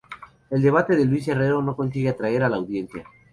El debate de Luis Herrero no consigue atraer a la audiencia.